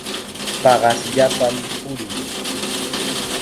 Paqasllapam purin.